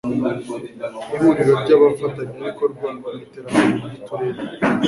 ihuriro ry'abafatanyabikorwa mu iterambere ry'uturere